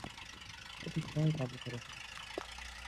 ওকে প্রায় কাবু করে ফেলেছিলাম।